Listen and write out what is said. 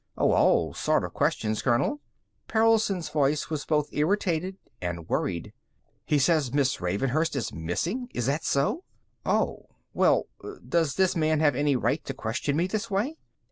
Oh, all sorts of questions, colonel." Perelson's voice was both irritated and worried. "He says Miss Ravenhurst is missing; is that so? Oh? Well, does this man have any right to question me this way?